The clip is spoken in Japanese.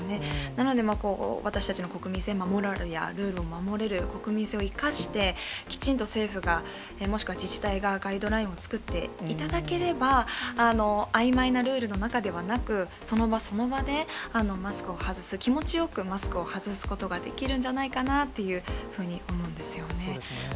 なので、私たちの国民性、ルールを守る国民性を生かして、きちんと政府が、もしくは自治体がガイドラインを作っていただければ、あいまいなルールの中ではなく、その場その場でマスクを外す、気持ちよくマスクを外すことができるんじゃないかなというふうに思うんですよね。